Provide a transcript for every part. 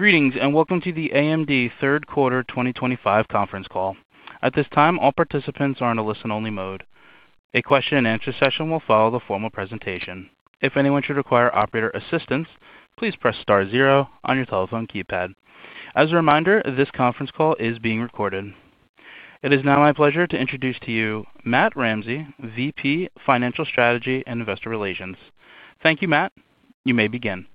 Greetings and welcome to the AMD Third Quarter 2025 conference call. At this time, all participants are in a listen-only mode. A question-and-answer session will follow the formal presentation. If anyone should require operator assistance, please press star zero on your telephone keypad. As a reminder, this conference call is being recorded. It is now my pleasure to introduce to you Matt Ramsay, VP, Financial Strategy and Investor Relations. Thank you, Matt. You may begin.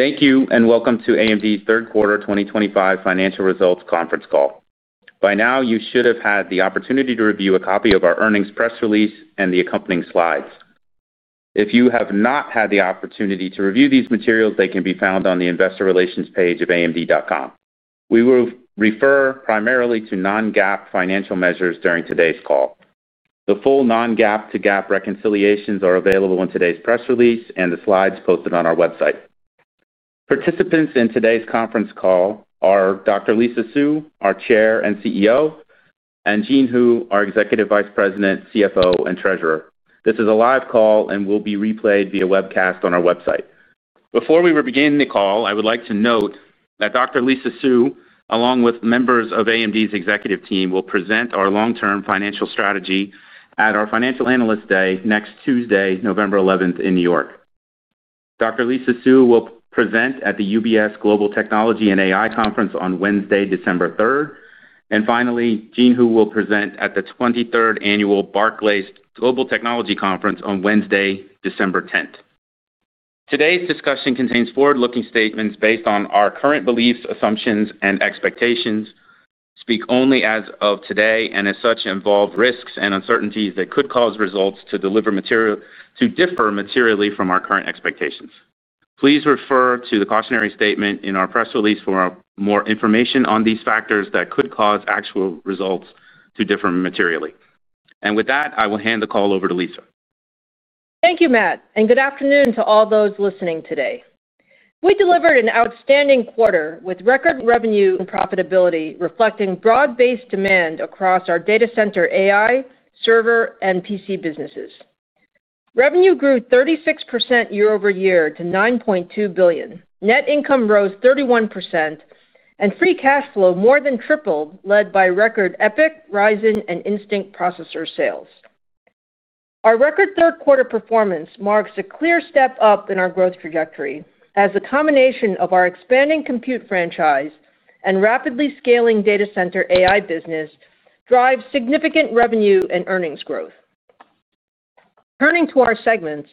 Thank you and welcome to AMD Third Quarter 2025 Financial Results conference call. By now, you should have had the opportunity to review a copy of our earnings press release and the accompanying slides. If you have not had the opportunity to review these materials, they can be found on the investor relations page of amd.com. We will refer primarily to non-GAAP financial measures during today's call. The full non-GAAP to GAAP reconciliations are available in today's press release and the slides posted on our website. Participants in today's conference call are Dr. Lisa Su, our Chair and CEO, and Jean Hu, our Executive Vice President, CFO, and Treasurer. This is a live call and will be replayed via webcast on our website. Before we begin the call, I would like to note that Dr. Lisa Su, along with members of AMD's executive team, will present our long-term financial strategy at our Financial Analyst Day next Tuesday, November 11th, in New York. Dr. Lisa Su will present at the UBS Global Technology and AI Conference on Wednesday, December 3rd. And finally, Jean Hu will present at the 23rd Annual Barclays Global Technology Conference on Wednesday, December 10th. Today's discussion contains forward-looking statements based on our current beliefs, assumptions, and expectations, speak only as of today, and as such involve risks and uncertainties that could cause results to differ materially from our current expectations. Please refer to the cautionary statement in our press release for more information on these factors that could cause actual results to differ materially. And with that, I will hand the call over to Lisa. Thank you, Matt, and good afternoon to all those listening today. We delivered an outstanding quarter with record revenue and profitability reflecting broad-based demand across our data center AI, server, and PC businesses. Revenue grew 36% year-over-year to $9.2 billion. Net income rose 31% and free cash flow more than tripled, led by record EPYC, Ryzen, and Instinct processor sales. Our record third-quarter performance marks a clear step up in our growth trajectory as a combination of our expanding compute franchise and rapidly scaling data center AI business drives significant revenue and earnings growth. Turning to our segments,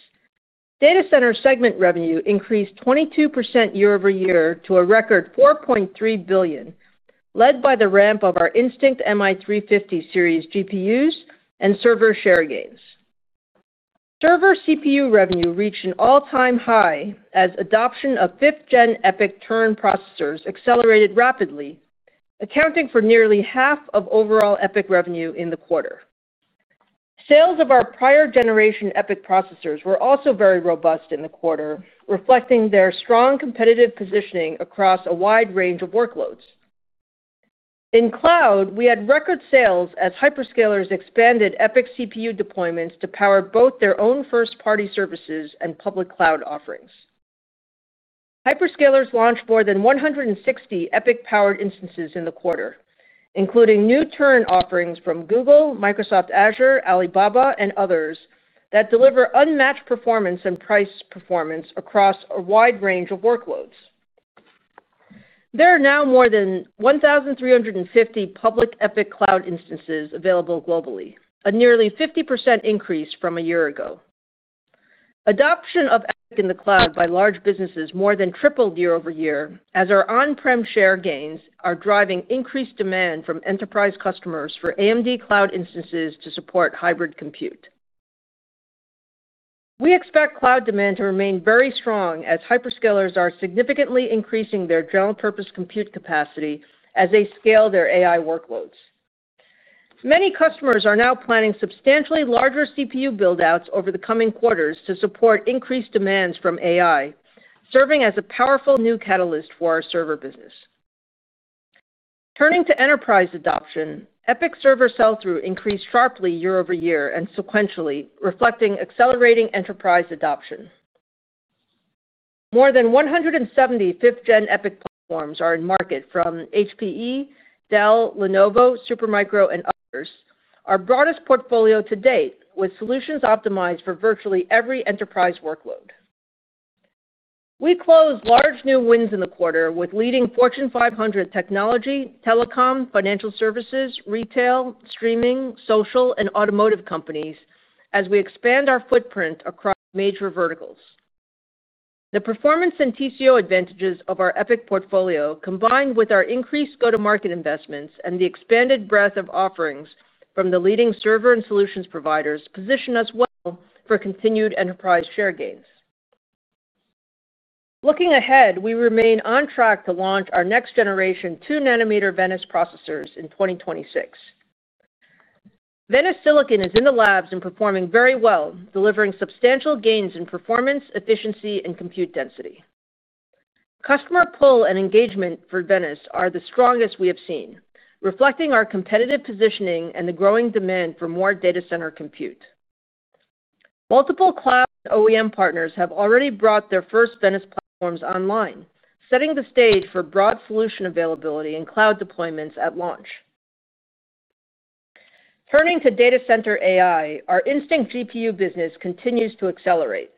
data center segment revenue increased 22% year-over-year to a record $4.3 billion, led by the ramp of our Instinct MI350 series GPUs and server share gains. Server CPU revenue reached an all-time high as adoption of 5th Gen EPYC Turin processors accelerated rapidly, accounting for nearly half of overall EPYC revenue in the quarter. Sales of our prior-generation EPYC processors were also very robust in the quarter, reflecting their strong competitive positioning across a wide range of workloads. In cloud, we had record sales as hyperscalers expanded EPYC CPU deployments to power both their own first-party services and public cloud offerings. Hyperscalers launched more than 160 EPYC-powered instances in the quarter, including new Turin offerings from Google, Microsoft Azure, Alibaba, and others that deliver unmatched performance and price performance across a wide range of workloads. There are now more than 1,350 public EPYC cloud instances available globally, a nearly 50% increase from a year ago. Adoption of EPYC in the cloud by large businesses more than tripled year-over-year, as our on-prem share gains are driving increased demand from enterprise customers for AMD cloud instances to support hybrid compute. We expect cloud demand to remain very strong as hyperscalers are significantly increasing their general-purpose compute capacity as they scale their AI workloads. Many customers are now planning substantially larger CPU buildouts over the coming quarters to support increased demands from AI, serving as a powerful new catalyst for our server business. Turning to enterprise adoption, EPYC server sell-through increased sharply year-over-year and sequentially, reflecting accelerating enterprise adoption. More than 170 5th Gen EPYC platforms are in market from HPE, Dell, Lenovo, Supermicro, and others, our broadest portfolio to date, with solutions optimized for virtually every enterprise workload. We close large new wins in the quarter with leading Fortune 500 technology, telecom, financial services, retail, streaming, social, and automotive companies as we expand our footprint across major verticals. The performance and TCO advantages of our EPYC portfolio, combined with our increased go-to-market investments and the expanded breadth of offerings from the leading server and solutions providers, position us well for continued enterprise share gains. Looking ahead, we remain on track to launch our next-generation 2 nm Venice EPYC processors in 2026. Venice silicon is in the labs and performing very well, delivering substantial gains in performance, efficiency, and compute density. Customer pull and engagement for Venice are the strongest we have seen, reflecting our competitive positioning and the growing demand for more data center compute. Multiple cloud and OEM partners have already brought their first Venice platforms online, setting the stage for broad solution availability and cloud deployments at launch. Turning to data center AI, our Instinct GPU business continues to accelerate.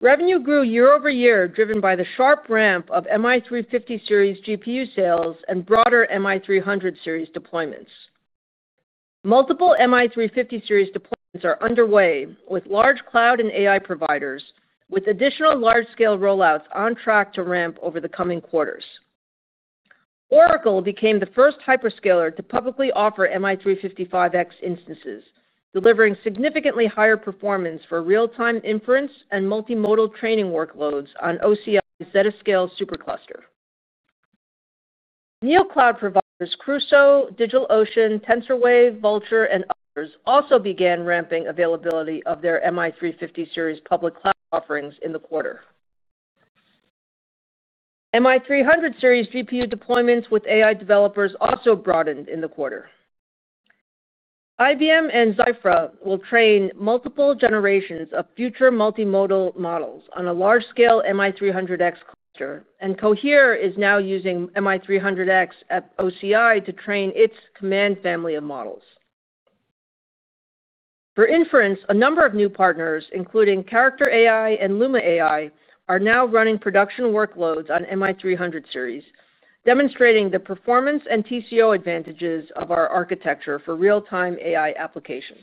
Revenue grew year-over-year, driven by the sharp ramp of MI350 series GPU sales and broader MI300 series deployments. Multiple MI350 series deployments are underway with large cloud and AI providers, with additional large-scale rollouts on track to ramp over the coming quarters. Oracle became the first hyperscaler to publicly offer MI355X instances, delivering significantly higher performance for real-time inference and multimodal training workloads on OCI ZettaScale Supercluster. Neocloud providers Crusoe, DigitalOcean, TensorWave, Vultr, and others also began ramping availability of their MI350 series public cloud offerings in the quarter. MI300 series GPU deployments with AI developers also broadened in the quarter. IBM and Zyphra will train multiple generations of future multimodal models on a large-scale MI300X cluster, and Cohere is now using MI300X at OCI to train its command family of models. For inference, a number of new partners, including Character AI and Luma AI, are now running production workloads on MI300 series, demonstrating the performance and TCO advantages of our architecture for real-time AI applications.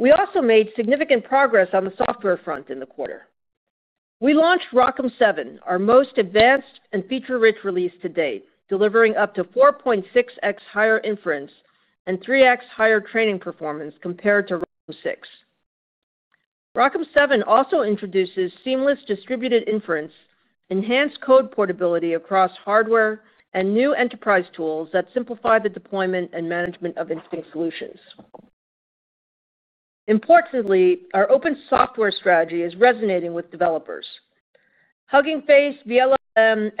We also made significant progress on the software front in the quarter. We launched ROCm 7, our most advanced and feature-rich release to date, delivering up to 4.6x higher inference and 3x higher training performance compared to ROCm 6. ROCm 7 also introduces seamless distributed inference, enhanced code portability across hardware, and new enterprise tools that simplify the deployment and management of Instinct solutions. Importantly, our open software strategy is resonating with developers. Hugging Face, vLLM,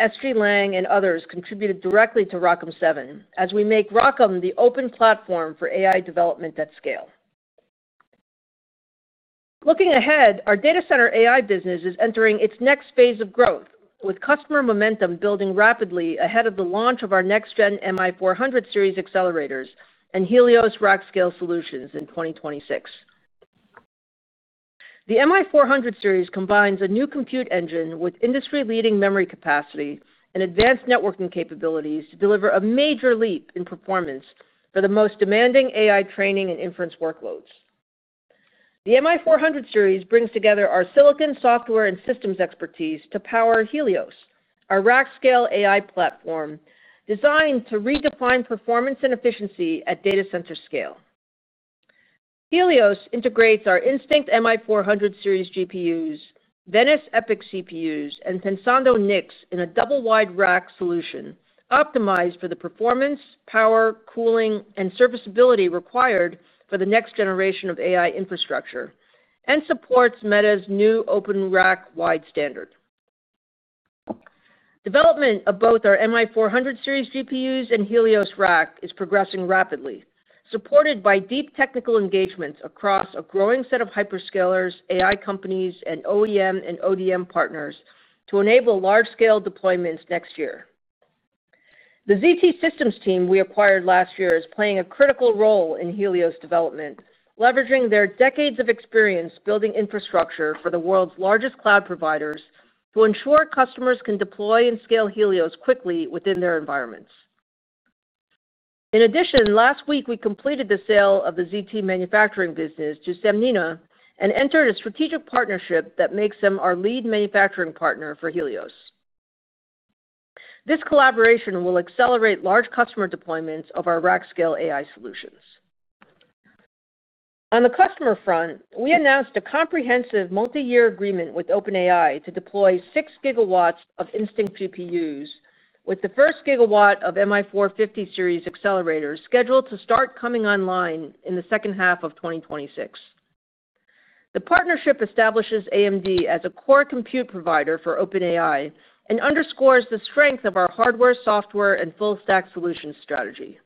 SGLang, and others contributed directly to ROCm 7, as we make ROCm the open platform for AI development at scale. Looking ahead, our data center AI business is entering its next phase of growth, with customer momentum building rapidly ahead of the launch of our next-gen MI400 series accelerators and "Helios" rack scale solutions in 2026. The MI400 series combines a new compute engine with industry-leading memory capacity and advanced networking capabilities to deliver a major leap in performance for the most demanding AI training and inference workloads. The MI400 series brings together our Silicon software and systems expertise to power "Helios", our rack scale AI platform. Designed to redefine performance and efficiency at data center scale. "Helios" integrates our Instinct MI400 series GPUs, Venice EPYC CPUs, and Pensando NICs in a double-wide rack solution optimized for the performance, power, cooling, and serviceability required for the next generation of AI infrastructure and supports Meta's new open rack wide standard. Development of both our MI400 series GPUs and "Helios" rack is progressing rapidly, supported by deep technical engagements across a growing set of hyperscalers, AI companies, and OEM and ODM partners to enable large-scale deployments next year. The ZT Systems team we acquired last year is playing a critical role in "Helios" development, leveraging their decades of experience building infrastructure for the world's largest cloud providers to ensure customers can deploy and scale "Helios" quickly within their environments. In addition, last week we completed the sale of the ZT manufacturing business to Sanmina and entered a strategic partnership that makes them our lead manufacturing partner for "Helios". This collaboration will accelerate large customer deployments of our rack scale AI solutions. On the customer front, we announced a comprehensive multi-year agreement with OpenAI to deploy 6 GW of Instinct GPUs, with the first gigawatt of MI450 series accelerators scheduled to start coming online in the second half of 2026. The partnership establishes AMD as a core compute provider for OpenAI and underscores the strength of our hardware, software, and full-stack solutions strategy.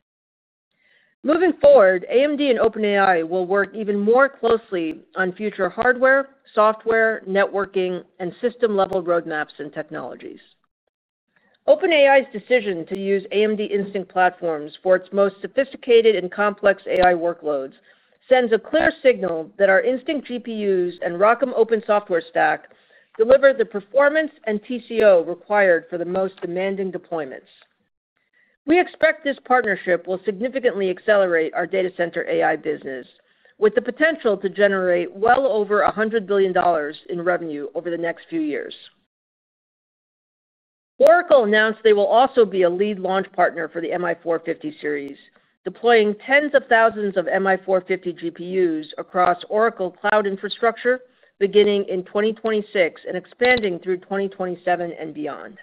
Moving forward, AMD and OpenAI will work even more closely on future hardware, software, networking, and system-level roadmaps and technologies. OpenAI's decision to use AMD Instinct platforms for its most sophisticated and complex AI workloads sends a clear signal that our Instinct GPUs and ROCm open software stack deliver the performance and TCO required for the most demanding deployments. We expect this partnership will significantly accelerate our data center AI business, with the potential to generate well over $100 billion in revenue over the next few years. Oracle announced they will also be a lead launch partner for the MI450 series, deploying tens of thousands of MI450 GPUs across Oracle Cloud Infrastructure beginning in 2026 and expanding through 2027 and beyond.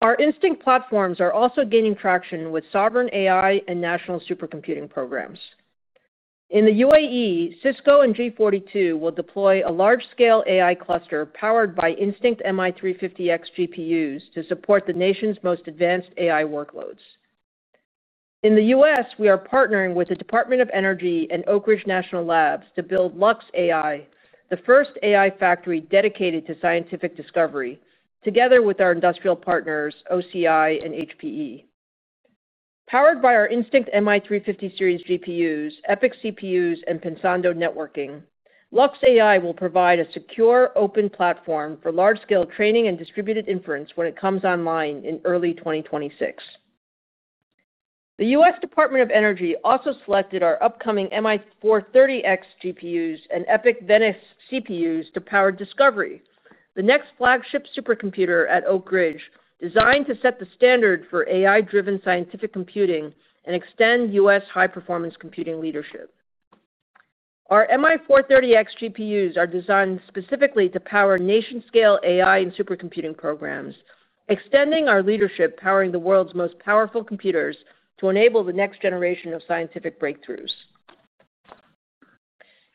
Our Instinct platforms are also gaining traction with sovereign AI and national supercomputing programs. In the U.A.E., Cisco and G42 will deploy a large-scale AI cluster powered by Instinct MI350X GPUs to support the nation's most advanced AI workloads. In the U.S., we are partnering with the Department of Energy and Oak Ridge National Labs to build Lux AI, the first AI factory dedicated to scientific discovery, together with our industrial partners OCI and HPE. Powered by our Instinct MI350 series GPUs, EPYC CPUs, and Pensando networking, Lux AI will provide a secure open platform for large-scale training and distributed inference when it comes online in early 2026. The U.S. Department of Energy also selected our upcoming MI430X GPUs and EPYC Venice CPUs to power Discovery, the next flagship supercomputer at Oak Ridge, designed to set the standard for AI-driven scientific computing and extend U.S. high-performance computing leadership. Our MI430X GPUs are designed specifically to power nation-scale AI and supercomputing programs, extending our leadership powering the world's most powerful computers to enable the next generation of scientific breakthroughs.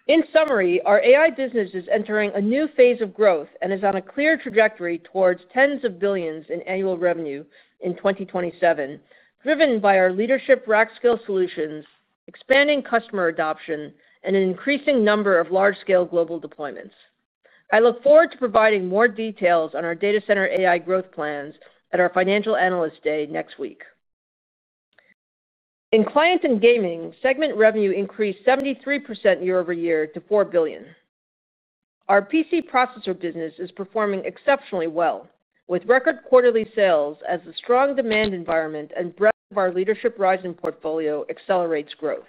In summary, our AI business is entering a new phase of growth and is on a clear trajectory towards tens of billions in annual revenue in 2027, driven by our leadership, rack scale solutions, expanding customer adoption, and an increasing number of large-scale global deployments. I look forward to providing more details on our data center AI growth plans at our Financial Analyst Day next week. In client and gaming, segment revenue increased 73% year-over-year to $4 billion. Our PC processor business is performing exceptionally well, with record quarterly sales as the strong demand environment and breadth of our leadership Ryzen portfolio accelerates growth.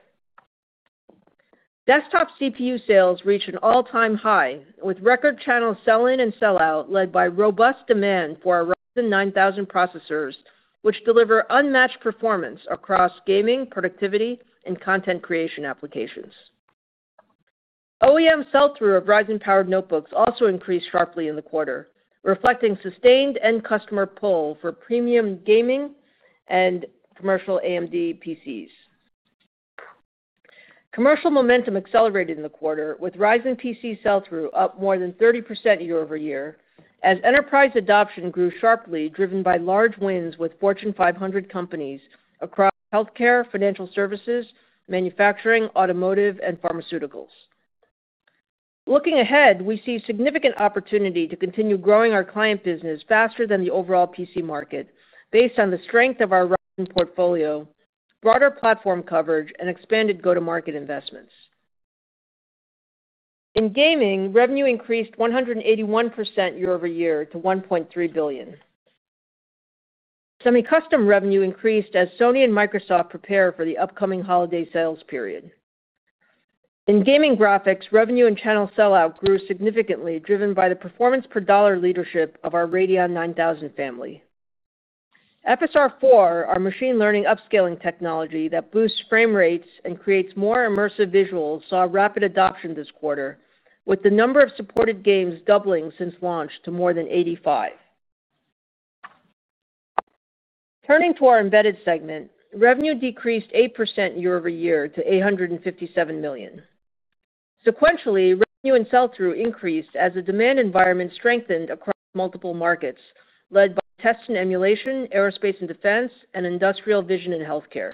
Desktop CPU sales reach an all-time high, with record channel sell-in and sell-out led by robust demand for our Ryzen 9000 processors, which deliver unmatched performance across gaming, productivity, and content creation applications. OEM sell-through of Ryzen-powered notebooks also increased sharply in the quarter, reflecting sustained end-customer pull for premium gaming and commercial AMD PCs. Commercial momentum accelerated in the quarter, with Ryzen PC sell-through up more than 30% year-over-year as enterprise adoption grew sharply, driven by large wins with Fortune 500 companies across healthcare, financial services, manufacturing, automotive, and pharmaceuticals. Looking ahead, we see significant opportunity to continue growing our client business faster than the overall PC market, based on the strength of our Ryzen portfolio, broader platform coverage, and expanded go-to-market investments. In gaming, revenue increased 181% year-over-year to $1.3 billion. Semi-custom revenue increased as Sony and Microsoft prepare for the upcoming holiday sales period. In gaming graphics, revenue and channel sell-out grew significantly, driven by the performance-per-dollar leadership of our Radeon 9000 family. FSR4, our machine learning upscaling technology that boosts frame rates and creates more immersive visuals, saw rapid adoption this quarter, with the number of supported games doubling since launch to more than 85. Turning to our embedded segment, revenue decreased 8% year-over-year to $857 million. Sequentially, revenue and sell-through increased as the demand environment strengthened across multiple markets, led by tests in emulation, aerospace and defense, and industrial vision and healthcare.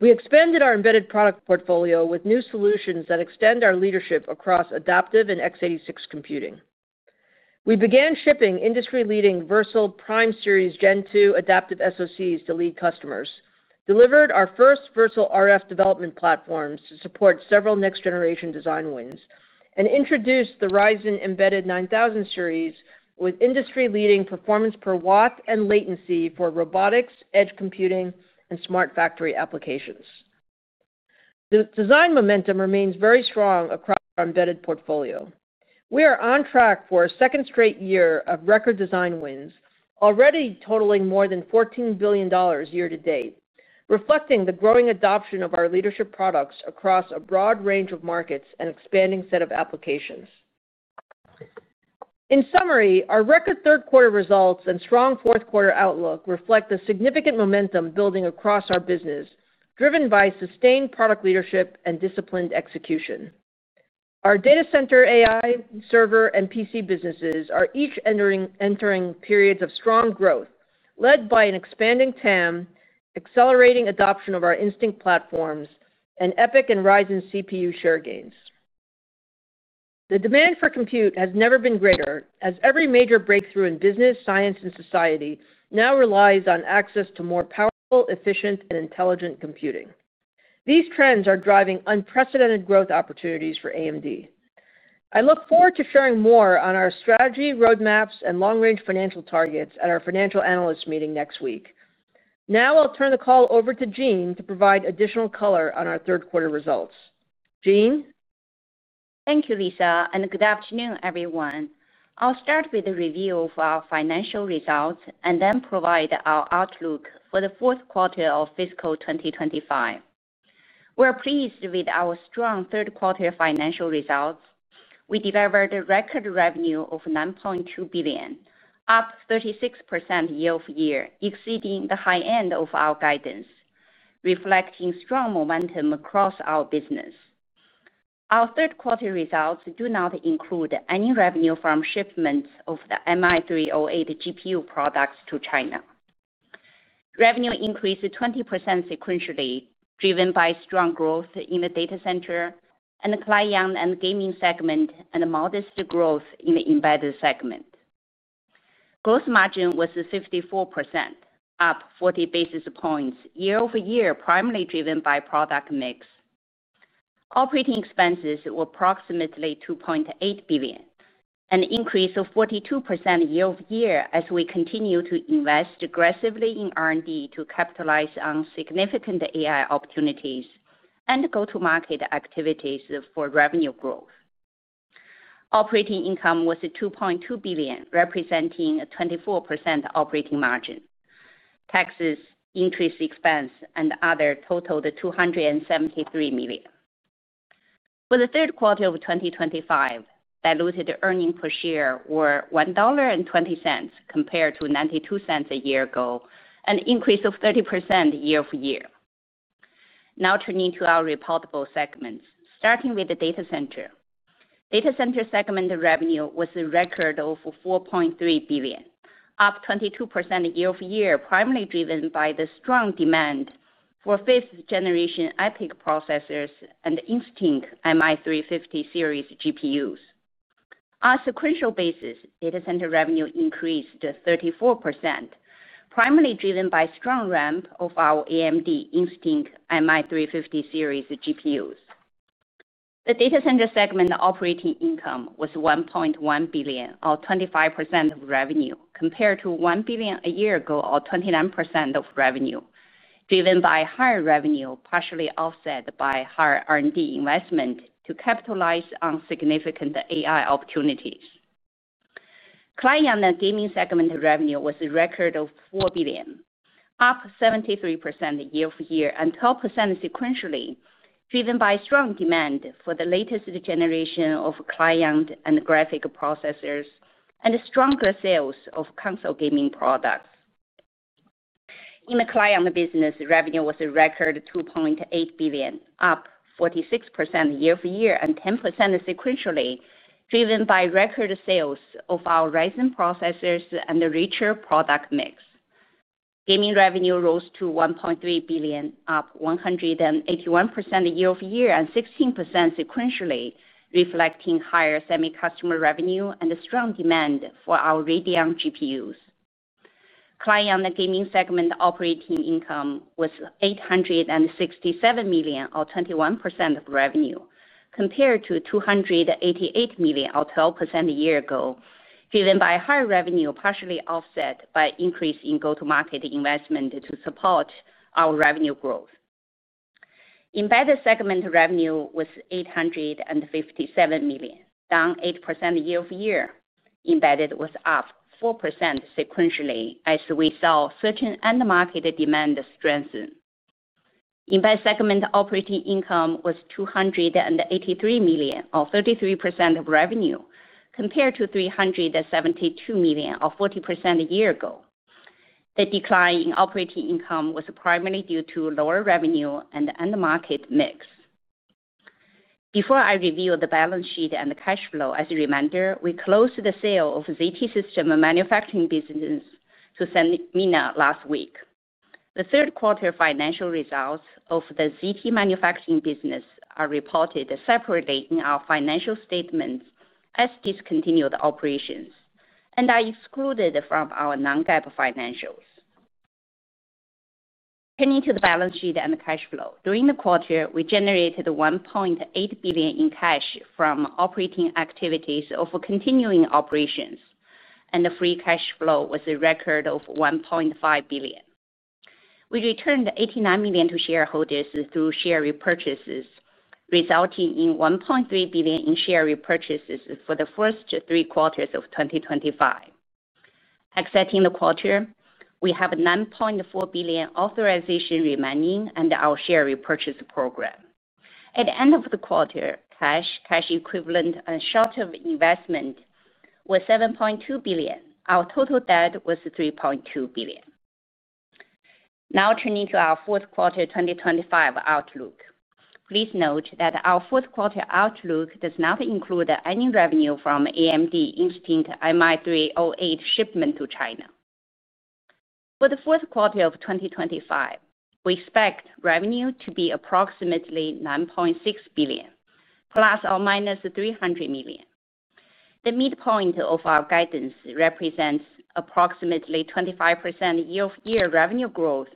We expanded our embedded product portfolio with new solutions that extend our leadership across adaptive and x86 computing. We began shipping industry-leading Versal Prime Series Gen 2 adaptive SoCs to lead customers, delivered our first Versal RF development platforms to support several next-generation design wins, and introduced the Ryzen embedded 9000 series with industry-leading performance per watt and latency for robotics, edge computing, and smart factory applications. The design momentum remains very strong across our embedded portfolio. We are on track for a second straight year of record design wins, already totaling more than $14 billion year to date, reflecting the growing adoption of our leadership products across a broad range of markets and expanding set of applications. In summary, our record third-quarter results and strong fourth-quarter outlook reflect the significant momentum building across our business, driven by sustained product leadership and disciplined execution. Our data center AI, server, and PC businesses are each entering periods of strong growth, led by an expanding TAM, accelerating adoption of our Instinct platforms, and EPYC and Ryzen CPU share gains. The demand for compute has never been greater, as every major breakthrough in business, science, and society now relies on access to more powerful, efficient, and intelligent computing. These trends are driving unprecedented growth opportunities for AMD. I look forward to sharing more on our strategy, roadmaps, and long-range financial targets at our Financial Analysts meeting next week. Now I'll turn the call over to Jean to provide additional color on our third-quarter results. Jean? Thank you, Lisa, and good afternoon, everyone. I'll start with a review of our financial results and then provide our outlook for the fourth quarter of fiscal 2025. We're pleased with our strong third-quarter financial results. We delivered a record revenue of $9.2 billion, up 36% year-over-year, exceeding the high end of our guidance, reflecting strong momentum across our business. Our third-quarter results do not include any revenue from shipment of the MI308 GPU products to China. Revenue increased 20% sequentially, driven by strong growth in the data center and client and gaming segment, and modest growth in the embedded segment. Gross margin was 54%, up 40 basis points year-over-year, primarily driven by product mix. Operating expenses were approximately $2.8 billion, an increase of 42% year-over-year as we continue to invest aggressively in R&D to capitalize on significant AI opportunities and go-to-market activities for revenue growth. Operating income was $2.2 billion, representing a 24% operating margin. Taxes, interest expense, and other totaled $273 million. For the third quarter of 2025, diluted earnings per share were $1.20 compared to $0.92 a year ago, an increase of 30% year-over-year. Now turning to our reportable segments, starting with the data center. Data center segment revenue was a record of $4.3 billion, up 22% year-over-year, primarily driven by the strong demand for 5th Generation EPYC processors and Instinct MI350 series GPUs. On a sequential basis, data center revenue increased 34%. Primarily driven by strong ramp of our AMD Instinct MI350 series GPUs. The data center segment operating income was $1.1 billion, or 25% of revenue, compared to $1 billion a year ago, or 29% of revenue, driven by higher revenue, partially offset by higher R&D investment to capitalize on significant AI opportunities. Client and gaming segment revenue was a record of $4 billion, up 73% year-over-year and 12% sequentially, driven by strong demand for the latest generation of client and graphics processors and stronger sales of console gaming products. In the client business, revenue was a record $2.8 billion, up 46% year-over-year and 10% sequentially, driven by record sales of our Ryzen processors and the richer product mix. Gaming revenue rose to $1.3 billion, up 181% year-over-year and 16% sequentially, reflecting higher semi-custom revenue and strong demand for our Radeon GPUs. Client and gaming segment operating income was $867 million, or 21% of revenue, compared to $288 million, or 12% a year ago, driven by higher revenue, partially offset by increase in go-to-market investment to support our revenue growth. Embedded segment revenue was $857 million, down 8% year-over-year. Embedded was up 4% sequentially as we saw certain end-market demand strengthen. Embedded segment operating income was $283 million, or 33% of revenue, compared to $372 million, or 40% a year ago. The decline in operating income was primarily due to lower revenue and end-market mix. Before I review the balance sheet and the cash flow, as a reminder, we closed the sale of ZT Systems manufacturing business to Sanmina last week. The third-quarter financial results of the ZT manufacturing business are reported separately in our financial statements as discontinued operations and are excluded from our non-GAAP financials. Turning to the balance sheet and the cash flow, during the quarter, we generated $1.8 billion in cash from operating activities of continuing operations, and the free cash flow was a record of $1.5 billion. We returned $89 million to shareholders through share repurchases, resulting in $1.3 billion in share repurchases for the first three quarters of 2025. Exiting the quarter, we have $9.4 billion authorization remaining and our share repurchase program. At the end of the quarter, cash, cash equivalent, and short-term investment was $7.2 billion. Our total debt was $3.2 billion. Now turning to our fourth quarter 2025 outlook, please note that our fourth quarter outlook does not include any revenue from AMD Instinct MI308 shipment to China. For the fourth quarter of 2025, we expect revenue to be approximately $9.6 billion, ±$300 million. The midpoint of our guidance represents approximately 25% year-over-year revenue growth,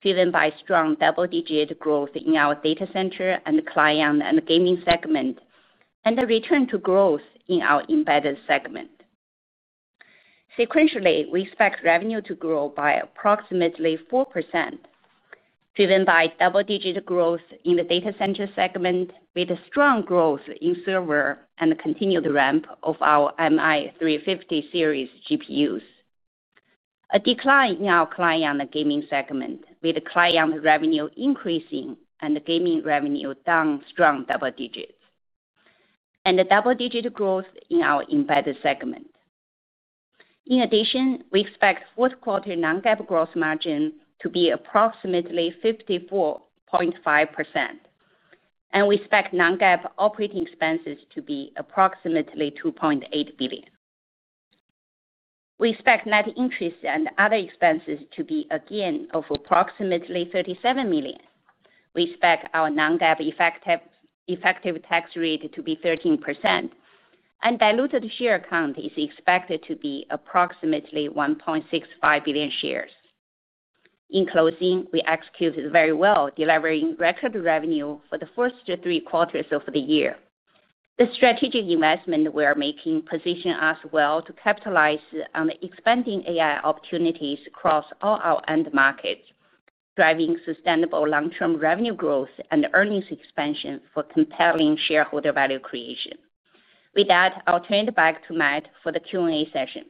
driven by strong double-digit growth in our data center and client and gaming segment, and a return to growth in our embedded segment. Sequentially, we expect revenue to grow by approximately 4%. Driven by double-digit growth in the data center segment, with strong growth in server and continued ramp of our MI350 series GPUs. A decline in our client and gaming segment, with client revenue increasing and gaming revenue down strong double digits. And double-digit growth in our embedded segment. In addition, we expect fourth-quarter non-GAAP gross margin to be approximately 54.5%. And we expect non-GAAP operating expenses to be approximately $2.8 billion. We expect net interest and other expenses to be gain of approximately $37 million. We expect our non-GAAP effective tax rate to be 13%. And diluted share count is expected to be approximately 1.65 billion shares. In closing, we executed very well, delivering record revenue for the first three quarters of the year. The strategic investment we are making positions us well to capitalize on expanding AI opportunities across all our end markets, driving sustainable long-term revenue growth and earnings expansion for compelling shareholder value creation. With that, I'll turn it back to Matt for the Q&A session.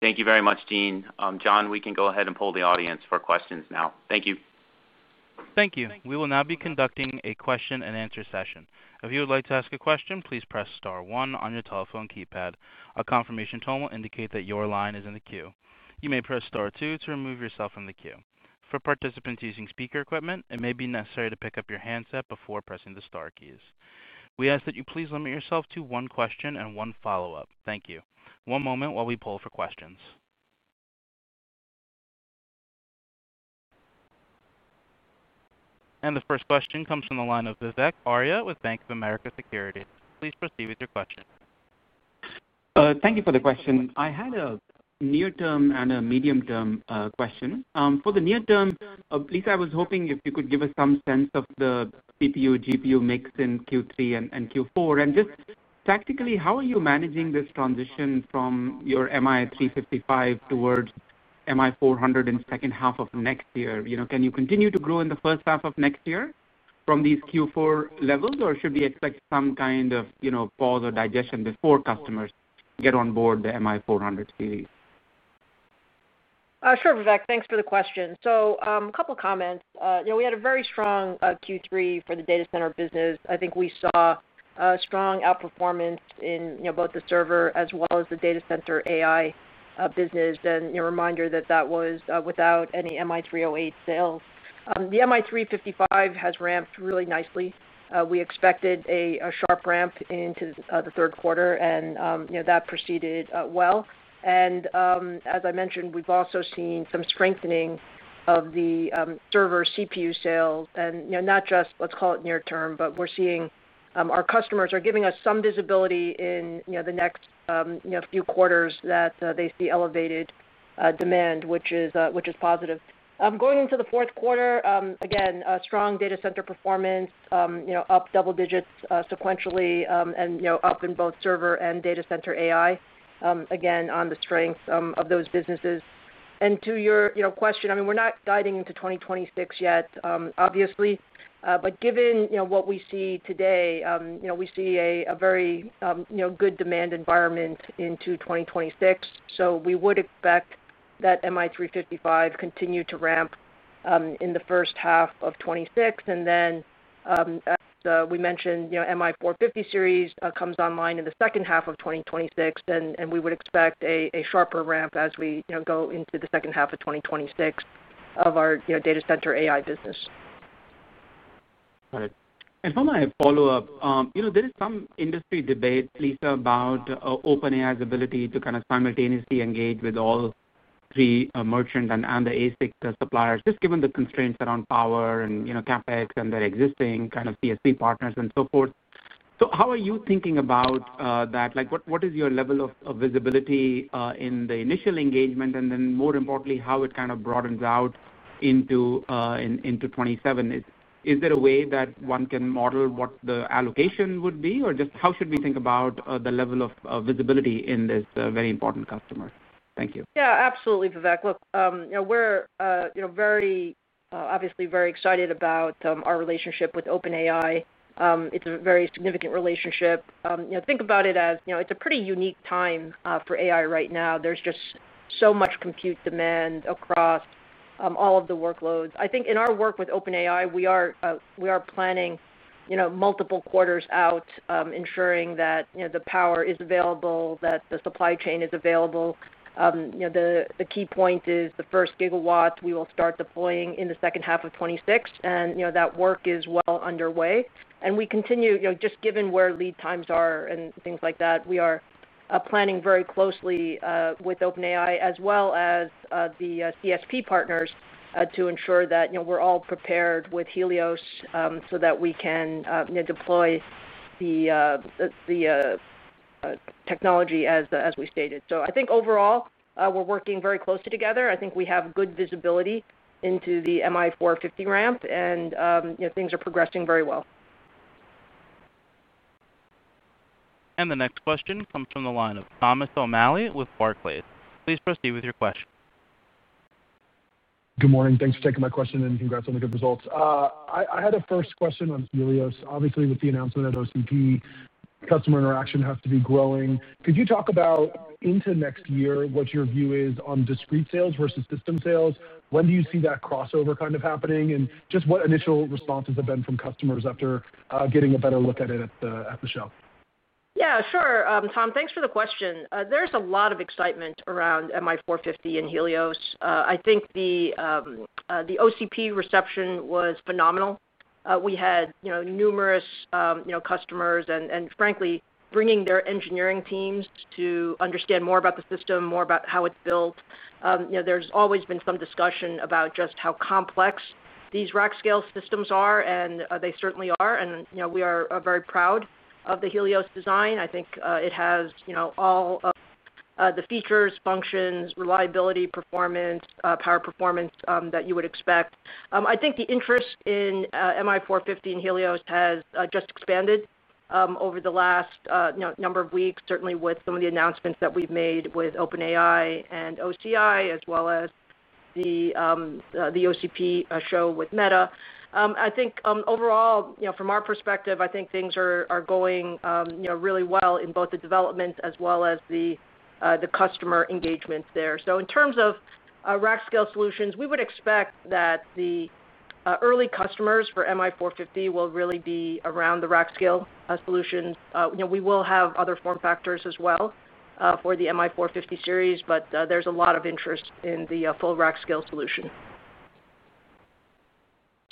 Thank you very much, Jean. John, we can go ahead and poll the audience for questions now. Thank you. We will now be conducting a question-and-answer session. If you would like to ask a question, please press star one on your telephone keypad. A confirmation tone will indicate that your line is in the queue. You may press star two to remove yourself from the queue. For participants using speaker equipment, it may be necessary to pick up your handset before pressing the star keys. We ask that you please limit yourself to one question and one follow-up. Thank you. One moment while we poll for questions. And the first question comes from the line of Vivek Arya with Bank of America Securities. Please proceed with your question. Thank you for the question. I had a near-term and a medium-term question. For the near-term, Lisa, I was hoping if you could give us some sense of the CPU/GPU mix in Q3 and Q4. And just tactically, how are you managing this transition from your MI355 towards MI400 in the second half of next year? Can you continue to grow in the first half of next year from these Q4 levels, or should we expect some kind of pause or digestion before customers get on board the MI400 series? Sure, Vivek. Thanks for the question. So a couple of comments. We had a very strong Q3 for the data center business. I think we saw strong outperformance in both the server as well as the data center AI business. And a reminder that that was without any MI308 sales. The MI355 has ramped really nicely. We expected a sharp ramp into the third quarter, and that proceeded well. And as I mentioned, we've also seen some strengthening of the server CPU sales. And not just, let's call it near-term, but we're seeing our customers are giving us some visibility in the next few quarters that they see elevated demand, which is positive. Going into the fourth quarter, again, strong data center performance, up double digits sequentially, and up in both server and data center AI, again, on the strength of those businesses. And to your question, I mean, we're not diving into 2026 yet, obviously, but given what we see today, we see a very good demand environment into 2026. So we would expect that MI355 continue to ramp in the first half of 2026. And then. As we mentioned, MI450 series comes online in the second half of 2026, and we would expect a sharper ramp as we go into the second half of 2026 of our data center AI business. Got it. And from my follow-up, there is some industry debate, Lisa, about OpenAI's ability to kind of simultaneously engage with all three merchants and the ASIC suppliers, just given the constraints around power and CapEx and their existing kind of CSP partners and so forth. So how are you thinking about that? What is your level of visibility in the initial engagement, and then, more importantly, how it kind of broadens out into 2027? Is there a way that one can model what the allocation would be, or just how should we think about the level of visibility in this very important customer? Thank you. Yeah, absolutely, Vivek. Look, we're very, obviously, very excited about our relationship with OpenAI. It's a very significant relationship. Think about it as it's a pretty unique time for AI right now. There's just so much compute demand across all of the workloads. I think in our work with OpenAI, we are planning multiple quarters out, ensuring that the power is available, that the supply chain is available. The key point is the first gigawatt we will start deploying in the second half of 2026, and that work is well underway. And we continue, just given where lead times are and things like that, we are planning very closely with OpenAI as well as the CSP partners to ensure that we're all prepared with "Helios" so that we can deploy the technology as we stated. So I think overall, we're working very closely together. I think we have good visibility into the MI450 ramp, and things are progressing very well. And the next question comes from the line of Thomas O'Malley with Barclays. Please proceed with your question. Good morning. Thanks for taking my question and congrats on the good results. I had a first question on "Helios". Obviously, with the announcement of OCP, customer interaction has to be growing. Could you talk about into next year, what your view is on discrete sales versus system sales? When do you see that crossover kind of happening? And just what initial responses have been from customers after getting a better look at it at the show? Yeah, sure. Tom, thanks for the question. There's a lot of excitement around MI450 and "Helios". I think the OCP reception was phenomenal. We had numerous customers and, frankly, bringing their engineering teams to understand more about the system, more about how it's built. There's always been some discussion about just how complex these rack scale systems are, and they certainly are. And we are very proud of the "Helios" design. I think it has all of the features, functions, reliability, performance, power performance that you would expect. I think the interest in MI450 and "Helios" has just expanded over the last number of weeks, certainly with some of the announcements that we've made with OpenAI and OCI, as well as the OCP show with Meta. I think overall, from our perspective, I think things are going really well in both the development as well as the customer engagement there. So in terms of rack scale solutions, we would expect that the early customers for MI450 will really be around the rack scale solutions. We will have other form factors as well for the MI450 series, but there's a lot of interest in the full rack scale solution.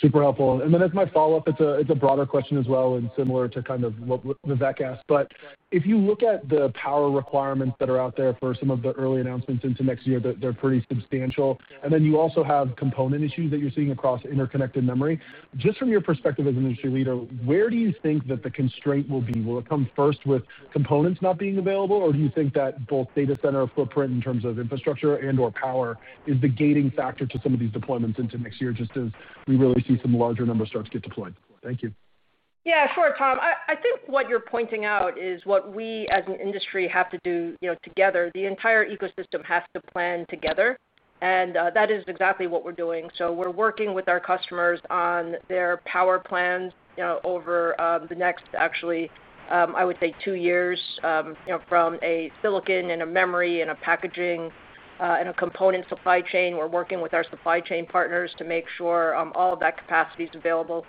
Super helpful. Then as my follow-up, it's a broader question as well and similar to kind of what Vivek asked. If you look at the power requirements that are out there for some of the early announcements into next year, they're pretty substantial. Then you also have component issues that you're seeing across interconnected memory. Just from your perspective as an industry leader, where do you think that the constraint will be? Will it come first with components not being available, or do you think that both data center footprint in terms of infrastructure and/or power is the gating factor to some of these deployments into next year, just as we really see some larger numbers start to get deployed? Thank you. Yeah, sure, Tom. I think what you're pointing out is what we as an industry have to do together. The entire ecosystem has to plan together, and that is exactly what we're doing. We're working with our customers on their power plans over the next, actually, I would say, two years. From a silicon and a memory and a packaging and a component supply chain, we're working with our supply chain partners to make sure all of that capacity is available.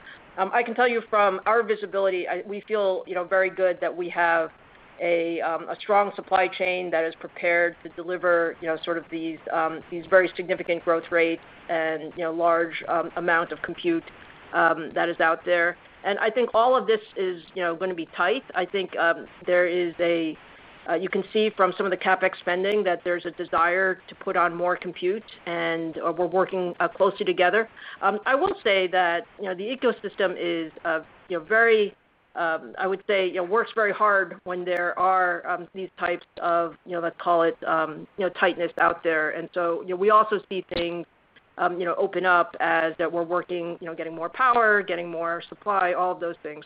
I can tell you from our visibility, we feel very good that we have a strong supply chain that is prepared to deliver sort of these very significant growth rates and large amounts of compute that is out there. I think all of this is going to be tight. There is a—you can see from some of the CapEx spending that there's a desire to put on more compute, and we're working closely together. I will say that the ecosystem is very—I would say works very hard when there are these types of, let's call it, tightness out there. We also see things open up as that we're working, getting more power, getting more supply, all of those things.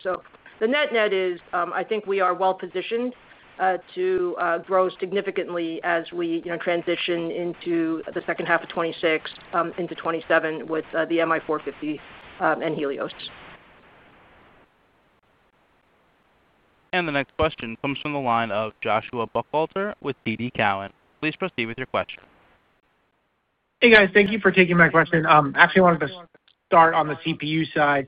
The net-net is I think we are well positioned to grow significantly as we transition into the second half of 2026, into 2027 with the MI450 and "Helios". The next question comes from the line of Joshua Buchalter with TD Cowen. Please proceed with your question. Hey, guys. Thank you for taking my question. Actually, I wanted to start on the CPU side.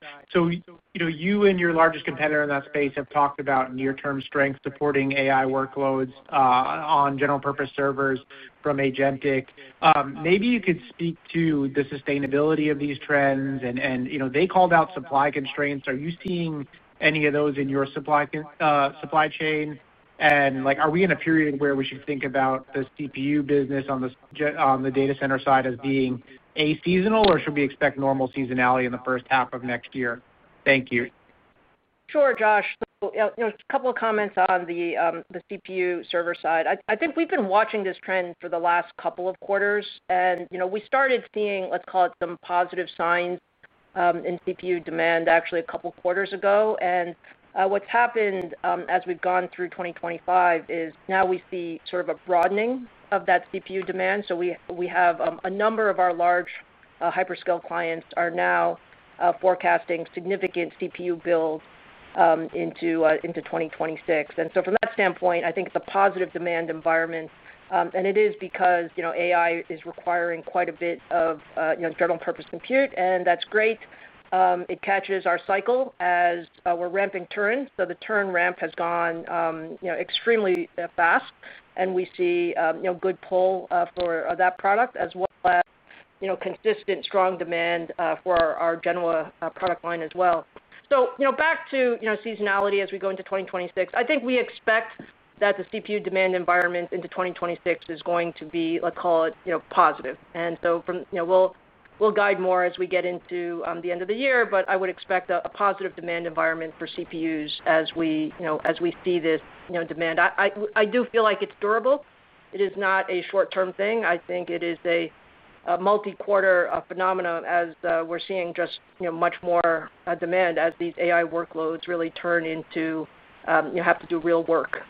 You and your largest competitor in that space have talked about near-term strength supporting AI workloads on general-purpose servers from agentic. Maybe you could speak to the sustainability of these trends. They called out supply constraints. Are you seeing any of those in your supply chain? And are we in a period where we should think about the CPU business on the data center side as being aseasonal, or should we expect normal seasonality in the first half of next year? Thank you. Sure, Josh. So a couple of comments on the CPU server side. I think we've been watching this trend for the last couple of quarters. And we started seeing, let's call it, some positive signs in CPU demand, actually, a couple of quarters ago. And what's happened as we've gone through 2025 is now we see sort of a broadening of that CPU demand. So we have a number of our large hyperscale clients are now forecasting significant CPU builds into 2026. And so from that standpoint, I think it's a positive demand environment. And it is because AI is requiring quite a bit of general-purpose compute, and that's great. It catches our cycle as we're ramping Turin. So the Turin ramp has gone extremely fast, and we see good pull for that product, as well as consistent, strong demand for our general product line as well. So back to seasonality as we go into 2026, I think we expect that the CPU demand environment into 2026 is going to be, let's call it, positive. And so we'll guide more as we get into the end of the year, but I would expect a positive demand environment for CPUs as we see this demand. I do feel like it's durable. It is not a short-term thing. I think it is a multi-quarter phenomenon as we're seeing just much more demand as these AI workloads really turn into have to do real work.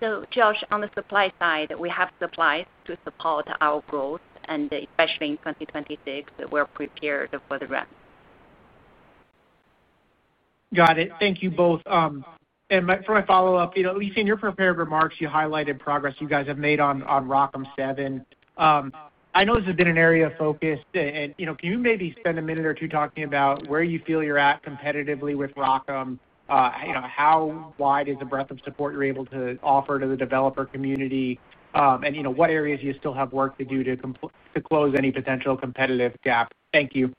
So, Josh, on the supply side, we have supplies to support our growth, and especially in 2026, we're prepared for the ramp. Got it. Thank you both. And for my follow-up, Lisa, in your prepared remarks, you highlighted progress you guys have made on ROCm 7. I know this has been an area of focus. And can you maybe spend a minute or two talking about where you feel you're at competitively with ROCm? How wide is the breadth of support you're able to offer to the developer community? And what areas do you still have work to do to close any potential competitive gap? Thank you.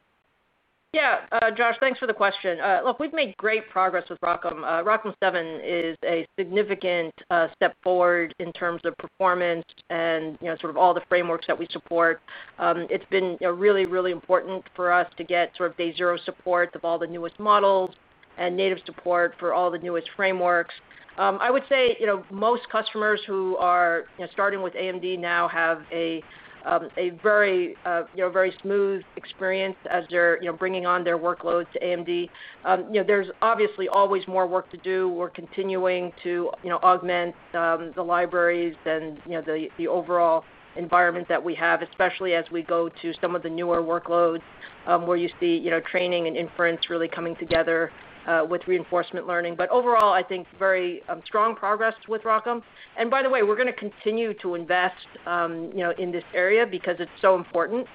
Yeah, Josh, thanks for the question. Look, we've made great progress with ROCm. ROCm 7 is a significant step forward in terms of performance and sort of all the frameworks that we support. It's been really, really important for us to get sort of day-zero support of all the newest models and native support for all the newest frameworks. I would say most customers who are starting with AMD now have a very smooth experience as they're bringing on their workloads to AMD. There's obviously always more work to do. We're continuing to augment the libraries and the overall environment that we have, especially as we go to some of the newer workloads where you see training and inference really coming together with reinforcement learning. But overall, I think very strong progress with ROCm. And by the way, we're going to continue to invest in this area because it's so important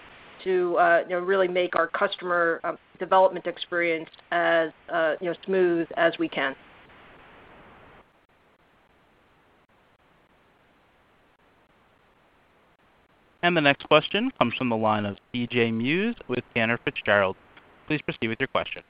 to really make our customer development experience as smooth as we can. And the next question comes from the line of CJ Muse with Cantor Fitzgerald. Please proceed with your question.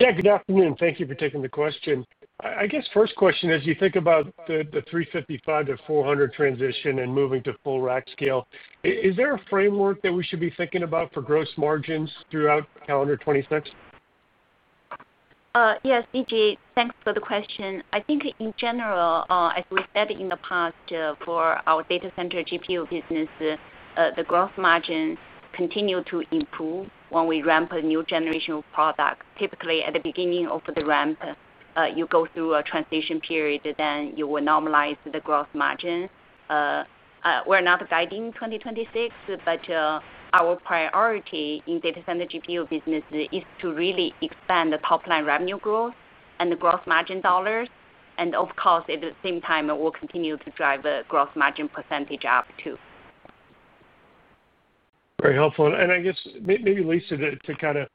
Yeah, good afternoon. Thank you for taking the question. I guess first question, as you think about the 355 to 400 transition and moving to full rack scale, is there a framework that we should be thinking about for gross margins throughout calendar 2026? Yes, CJ, thanks for the question. I think in general, as we said in the past, for our data center GPU business, the gross margin continues to improve when we ramp a new generation of product. Typically, at the beginning of the ramp, you go through a transition period, then you will normalize the gross margin. We're not guiding 2026, but our priority in data center GPU business is to really expand the top-line revenue growth and the gross margin dollars. And of course, at the same time, we'll continue to drive a gross margin percentage up too. Very helpful. And I guess maybe, Lisa, to kind of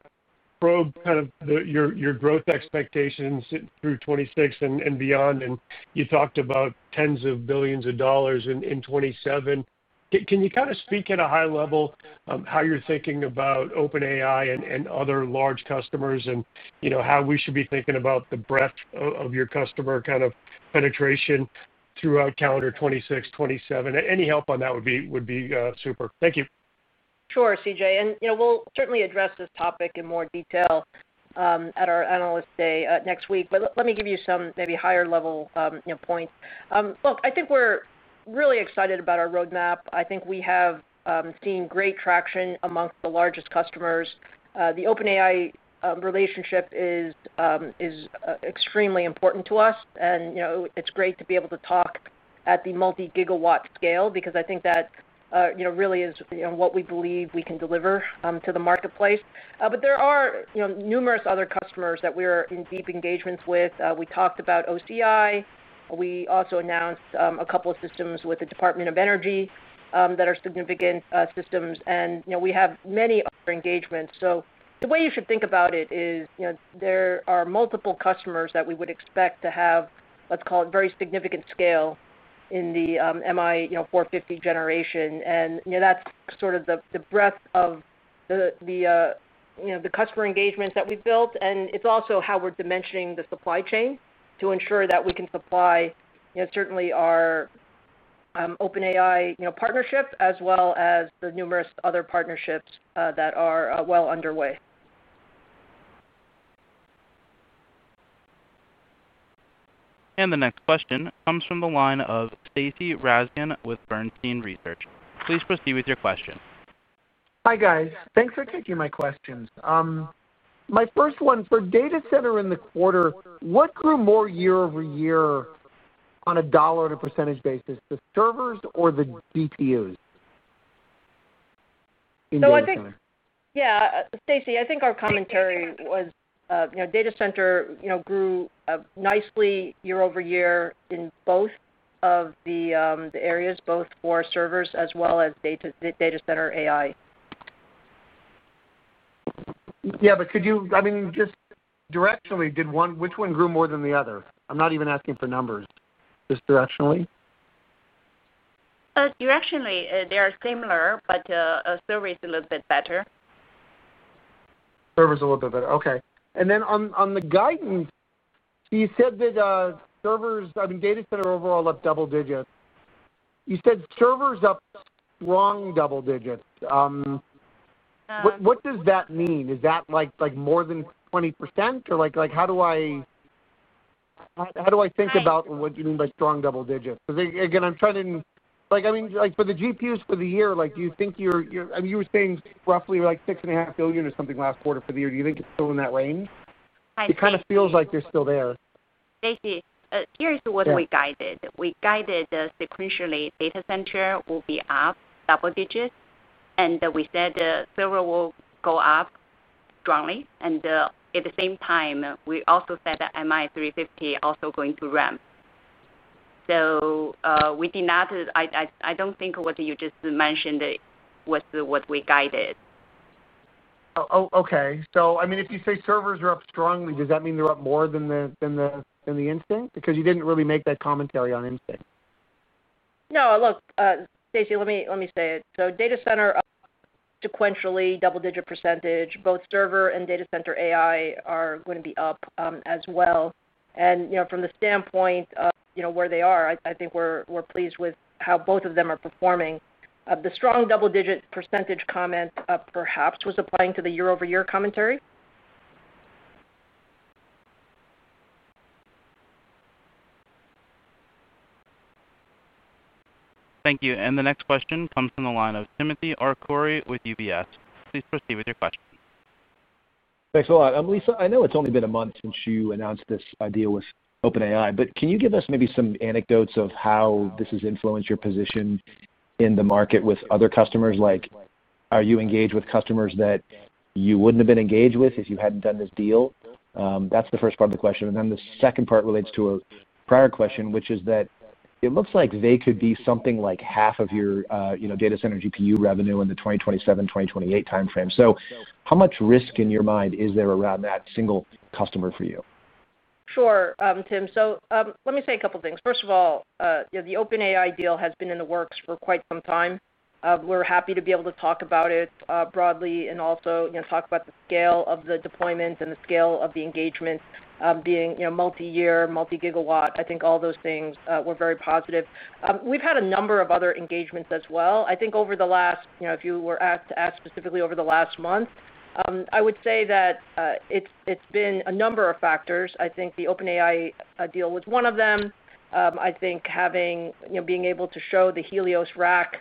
probe kind of your growth expectations through 2026 and beyond, and you talked about tens of billions of dollars in 2027. Can you kind of speak at a high level how you're thinking about OpenAI and other large customers and how we should be thinking about the breadth of your customer kind of penetration throughout calendar 2026, 2027? Any help on that would be super. Thank you. Sure, CJ. And we'll certainly address this topic in more detail at our analyst day next week. But let me give you some maybe higher-level points. Look, I think we're really excited about our roadmap. I think we have seen great traction amongst the largest customers. The OpenAI relationship is extremely important to us. And it's great to be able to talk at the multi-gigawatt scale because I think that really is what we believe we can deliver to the marketplace. But there are numerous other customers that we are in deep engagements with. We talked about OCI. We also announced a couple of systems with the Department of Energy that are significant systems. And we have many other engagements. So the way you should think about it is there are multiple customers that we would expect to have, let's call it, very significant scale in the MI450 generation. And that's sort of the breadth of the customer engagements that we've built. And it's also how we're dimensioning the supply chain to ensure that we can supply certainly our OpenAI partnership as well as the numerous other partnerships that are well underway. And the next question comes from the line of Stacy Rasgon with Bernstein Research. Please proceed with your question. Hi, guys. Thanks for taking my questions. My first one, for data center in the quarter, what grew more year-over-year. On a dollar-to-percentage basis, the servers or the GPUs? In data center. Yeah, Stacy, I think our commentary was data center grew nicely year-over-year in both of the areas, both for servers as well as data center AI. Yeah, but could you—I mean, just directionally, which one grew more than the other? I'm not even asking for numbers just directionally. Directionally, they are similar, but servers a little bit better. Servers a little bit better. Okay. And then on the guidance. You said that servers—I mean, data center overall up double digits. You said servers up strong double digits. What does that mean? Is that more than 20%? Or how do I think about what you mean by strong double digits? Because again, I'm trying to—I mean, for the GPUs for the year, do you think you're—I mean, you were saying roughly like $6.5 billion or something last quarter for the year. Do you think it's still in that range? It kind of feels like they're still there. Stacy, here's what we guided. We guided sequentially data center will be up double digits. And we said server will go up strongly. And at the same time, we also said that MI350 also going to ramp. So we did not—I don't think what you just mentioned was what we guided. Oh, okay. So I mean, if you say servers are up strongly, does that mean they're up more than the Instinct? Because you didn't really make that commentary on Instinct. No, look, Stacy, let me say it. So data center up sequentially double-digit percentage, both server and data center AI are going to be up as well. And from the standpoint of where they are, I think we're pleased with how both of them are performing. The strong double-digit percentage comment perhaps was applying to the year-over-year commentary. Thank you. And the next question comes from the line of Timothy Arcuri with UBS. Please proceed with your question. Thanks a lot. Lisa, I know it's only been a month since you announced this idea with OpenAI, but can you give us maybe some anecdotes of how this has influenced your position in the market with other customers? Are you engaged with customers that you wouldn't have been engaged with if you hadn't done this deal? That's the first part of the question. And then the second part relates to a prior question, which is that it looks like they could be something like half of your data center GPU revenue in the 2027, 2028 timeframe. So how much risk in your mind is there around that single customer for you? Sure, Tim. So let me say a couple of things. First of all, the OpenAI deal has been in the works for quite some time. We're happy to be able to talk about it broadly and also talk about the scale of the deployment and the scale of the engagement being multi-year, multi-gigawatt. I think all those things were very positive. We've had a number of other engagements as well. I think over the last—if you were asked to ask specifically over the last month—I would say that. It's been a number of factors. I think the OpenAI deal was one of them. I think being able to show the "Helios" rack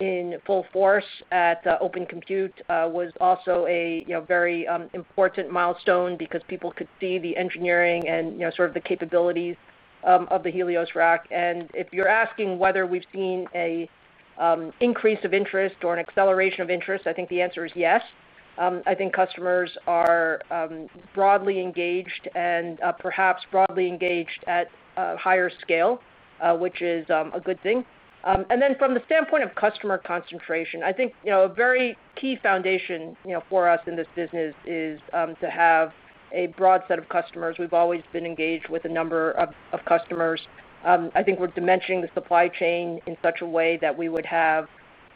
in full force at Open Compute was also a very important milestone because people could see the engineering and sort of the capabilities of the "Helios" rack. And if you're asking whether we've seen an increase of interest or an acceleration of interest, I think the answer is yes. I think customers are broadly engaged and perhaps broadly engaged at a higher scale, which is a good thing. And then from the standpoint of customer concentration, I think a very key foundation for us in this business is to have a broad set of customers. We've always been engaged with a number of customers. I think we're dimensioning the supply chain in such a way that we would have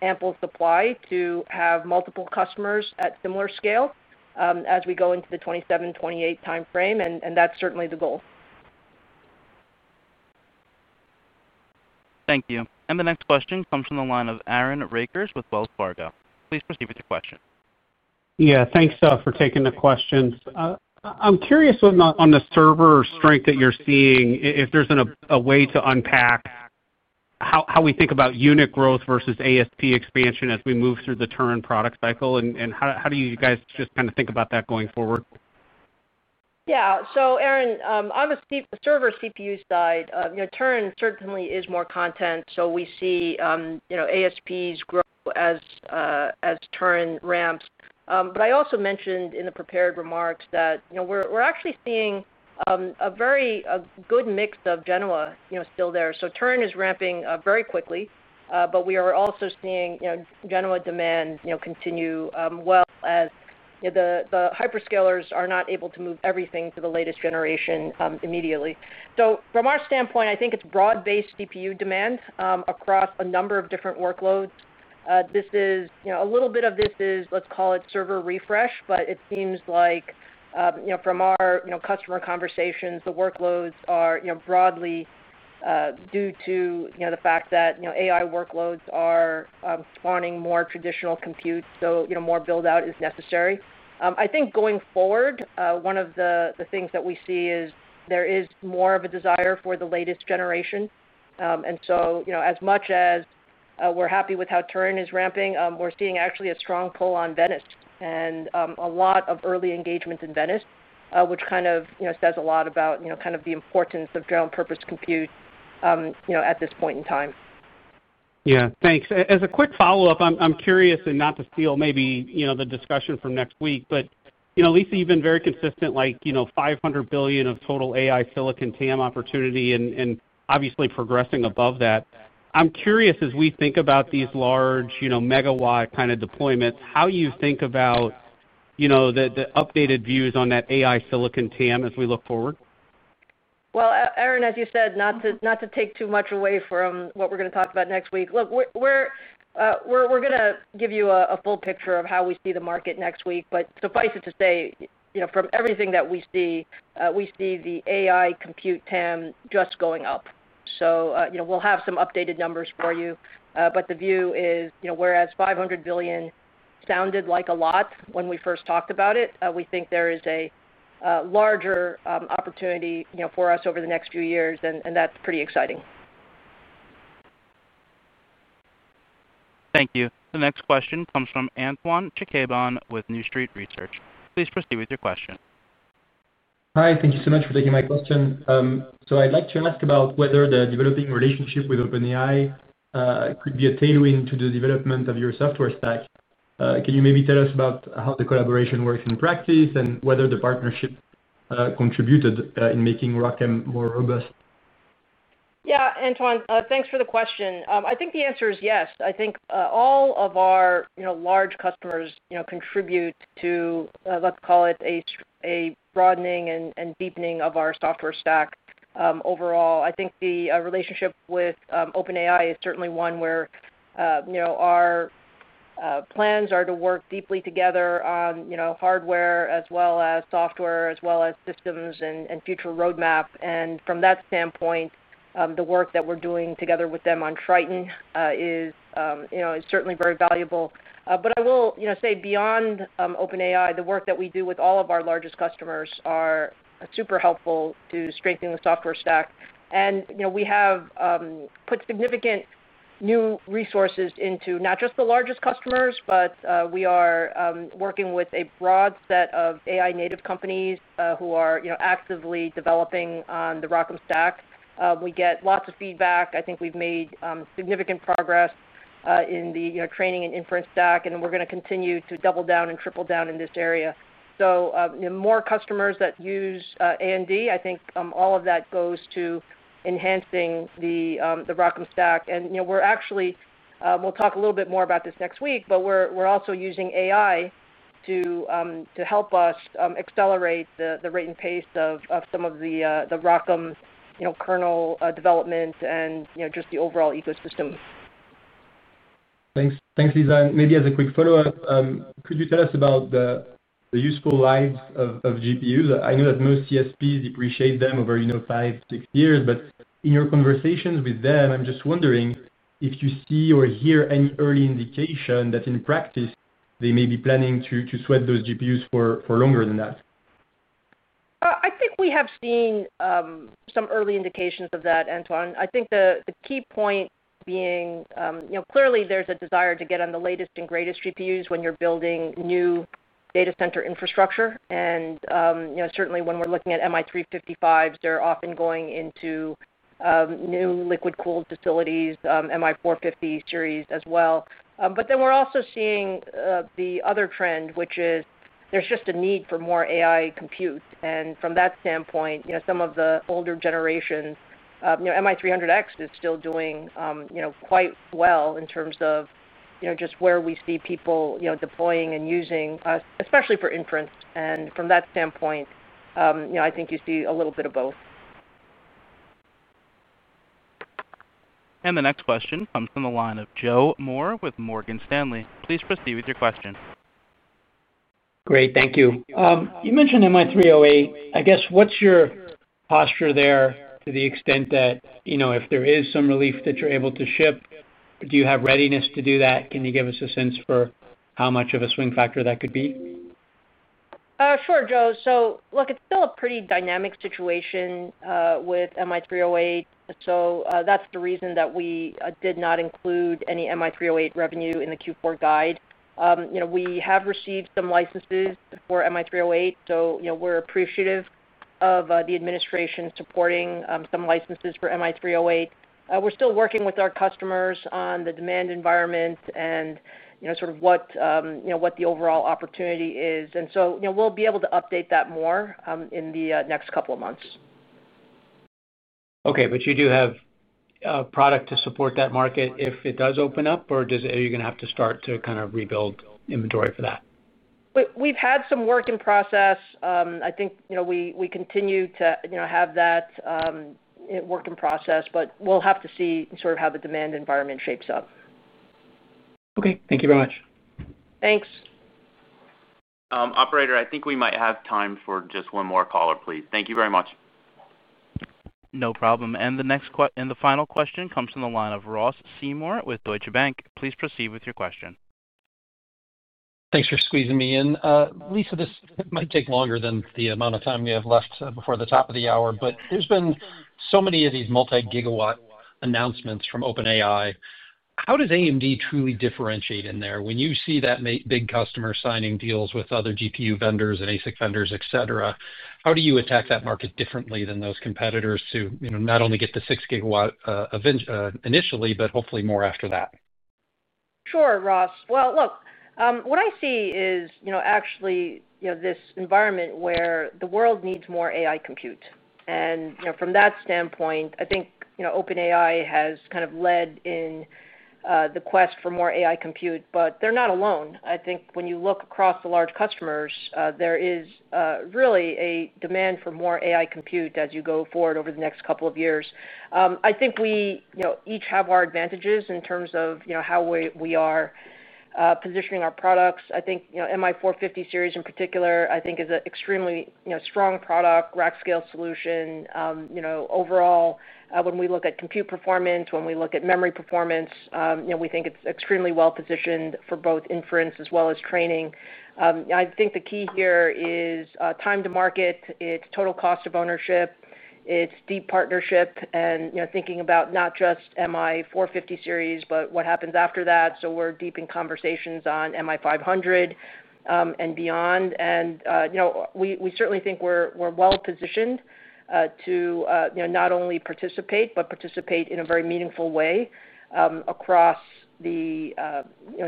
ample supply to have multiple customers at similar scale as we go into the 2027, 2028 timeframe. And that's certainly the goal. Thank you. And the next question comes from the line of Aaron Rakers with Wells Fargo. Please proceed with your question. Yeah, thanks for taking the question. I'm curious on the server strength that you're seeing, if there's a way to unpack how we think about unit growth versus ASP expansion as we move through the Turin product cycle. And how do you guys just kind of think about that going forward? Yeah. So, Aaron, on the server CPU side, Turin certainly is more content. So we see ASPs grow as Turin ramps. But I also mentioned in the prepared remarks that we're actually seeing a very good mix of Genoa still there. So Turin is ramping very quickly, but we are also seeing Genoa demand continue well as the hyperscalers are not able to move everything to the latest generation immediately. So from our standpoint, I think it's broad-based CPU demand across a number of different workloads. This is a little bit, let's call it server refresh, but it seems like from our customer conversations, the workloads are broadly due to the fact that AI workloads are spawning more traditional compute, so more buildout is necessary. I think going forward, one of the things that we see is there is more of a desire for the latest generation. And so as much as we're happy with how Turin is ramping. We're seeing actually a strong pull on Venice and a lot of early engagements in Venice, which kind of says a lot about kind of the importance of general-purpose compute at this point in time. Yeah, thanks. As a quick follow-up, I'm curious and not to steal maybe the discussion from next week, but Lisa, you've been very consistent, like 500 billion of total AI silicon TAM opportunity and obviously progressing above that. I'm curious, as we think about these large megawatt kind of deployments, how you think about the updated views on that AI silicon TAM as we look forward. Well, Aaron, as you said, not to take too much away from what we're going to talk about next week. Look. We're going to give you a full picture of how we see the market next week, but suffice it to say, from everything that we see, we see the AI compute TAM just going up. So we'll have some updated numbers for you, but the view is whereas 500 billion sounded like a lot when we first talked about it, we think there is a larger opportunity for us over the next few years, and that's pretty exciting. Thank you. The next question comes from Antoine Chkaiban with New Street Research. Please proceed with your question. Hi, thank you so much for taking my question. So I'd like to ask about whether the developing relationship with OpenAI could be a tailoring to the development of your software stack. Can you maybe tell us about how the collaboration works in practice and whether the partnership contributed in making ROCm more robust? Yeah, Antoine, thanks for the question. I think the answer is yes. I think all of our large customers contribute to, let's call it a, broadening and deepening of our software stack overall. I think the relationship with OpenAI is certainly one where our plans are to work deeply together on hardware as well as software as well as systems and future roadmap. And from that standpoint, the work that we're doing together with them on Triton is certainly very valuable. But I will say beyond OpenAI, the work that we do with all of our largest customers are super helpful to strengthen the software stack. And we have put significant new resources into not just the largest customers, but we are working with a broad set of AI native companies who are actively developing on the ROCm stack. We get lots of feedback. I think we've made significant progress in the training and inference stack, and we're going to continue to double down and triple down in this area. So more customers that use AMD, I think all of that goes to enhancing the ROCm stack. And we'll talk a little bit more about this next week, but we're also using AI to help us accelerate the rate and pace of some of the ROCm kernel development and just the overall ecosystem. Thanks, Lisa. And maybe as a quick follow-up, could you tell us about the useful lives of GPUs? I know that most CSPs depreciate them over five, six years, but in your conversations with them, I'm just wondering if you see or hear any early indication that in practice they may be planning to sweat those GPUs for longer than that. I think we have seen some early indications of that, Antoine. I think the key point being. Clearly, there's a desire to get on the latest and greatest GPUs when you're building new data center infrastructure. And certainly when we're looking at MI355s, they're often going into. New liquid-cooled facilities, MI450 series as well. But then we're also seeing the other trend, which is there's just a need for more AI compute. And from that standpoint, some of the older generations, MI300X is still doing quite well in terms of just where we see people deploying and using, especially for inference. And from that standpoint. I think you see a little bit of both. And the next question comes from the line of Joe Moore with Morgan Stanley. Please proceed with your question. Great. Thank you. You mentioned MI308. I guess what's your posture there to the extent that if there is some relief that you're able to ship, do you have readiness to do that? Can you give us a sense for how much of a swing factor that could be? Sure, Joe. So look, it's still a pretty dynamic situation with MI308. So that's the reason that we did not include any MI308 revenue in the Q4 guide. We have received some licenses for MI308, so we're appreciative of the administration supporting some licenses for MI308. We're still working with our customers on the demand environment and sort of what the overall opportunity is. And so we'll be able to update that more in the next couple of months. Okay. But you do have. Product to support that market. If it does open up, or are you going to have to start to kind of rebuild inventory for that? We've had some work in process. I think we continue to have that. Work in process, but we'll have to see sort of how the demand environment shapes up. Okay. Thank you very much. Thanks. Operator, I think we might have time for just one more caller, please. Thank you very much. No problem. And the final question comes from the line of Ross Seymore with Deutsche Bank. Please proceed with your question. Thanks for squeezing me in. Lisa, this might take longer than the amount of time we have left before the top of the hour, but there's been so many of these multi-gigawatt announcements from OpenAI. How does AMD truly differentiate in there? When you see that big customer signing deals with other GPU vendors and ASIC vendors, etc., how do you attack that market differently than those competitors to not only get the 6 GW initially, but hopefully more after that? Sure, Ross. Well, look, what I see is actually this environment where the world needs more AI compute. And from that standpoint, I think OpenAI has kind of led in the quest for more AI compute, but they're not alone. I think when you look across the large customers, there is really a demand for more AI compute as you go forward over the next couple of years. I think we each have our advantages in terms of how we are positioning our products. I think MI450 series in particular, I think, is an extremely strong product, rack-scale solution. Overall, when we look at compute performance, when we look at memory performance, we think it's extremely well-positioned for both inference as well as training. I think the key here is time to market, its total cost of ownership. Its deep partnership, and thinking about not just MI450 series, but what happens after that. So we're deep in conversations on MI500 and beyond. And we certainly think we're well-positioned to not only participate, but participate in a very meaningful way across the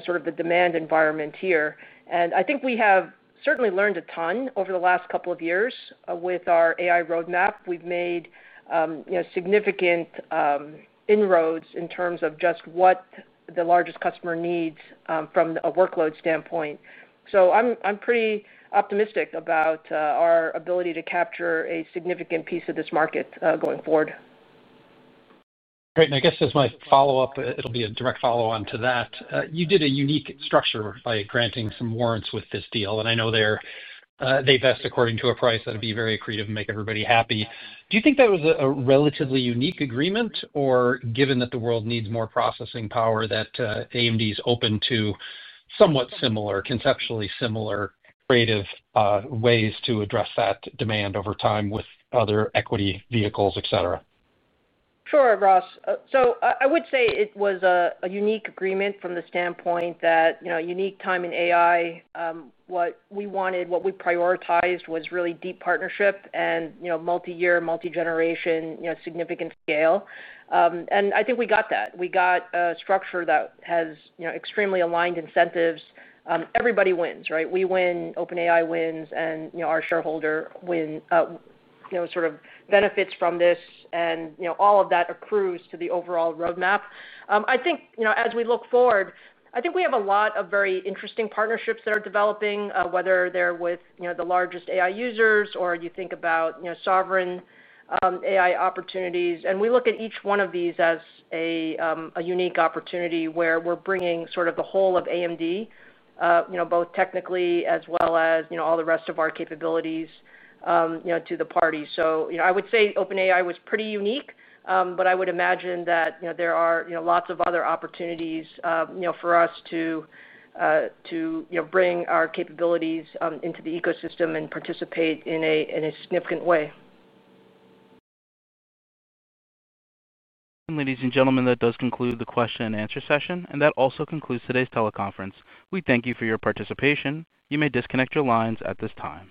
sort of the demand environment here. And I think we have certainly learned a ton over the last couple of years with our AI roadmap. We've made significant inroads in terms of just what the largest customer needs from a workload standpoint. So I'm pretty optimistic about our ability to capture a significant piece of this market going forward. Great. And I guess as my follow-up, it'll be a direct follow-on to that. You did a unique structure by granting some warrants with this deal. And I know they've asked according to a price that would be very creative and make everybody happy. Do you think that was a relatively unique agreement, or given that the world needs more processing power, that AMD is open to somewhat similar, conceptually similar creative ways to address that demand over time with other equity vehicles, etc.? Sure, Ross. So I would say it was a unique agreement from the standpoint that unique time in AI. What we wanted, what we prioritized was really deep partnership and multi-year, multi-generation, significant scale. And I think we got that. We got a structure that has extremely aligned incentives. Everybody wins, right? We win, OpenAI wins, and our shareholders win. Sort of benefits from this, and all of that accrues to the overall roadmap. I think as we look forward, I think we have a lot of very interesting partnerships that are developing, whether they're with the largest AI users or you think about sovereign AI opportunities. And we look at each one of these as a unique opportunity where we're bringing sort of the whole of AMD. Both technically as well as all the rest of our capabilities to the party. So I would say OpenAI was pretty unique, but I would imagine that there are lots of other opportunities for us to bring our capabilities into the ecosystem and participate in a significant way. Ladies and gentlemen, that does conclude the question and answer session, and that also concludes today's teleconference. We thank you for your participation. You may disconnect your lines at this time.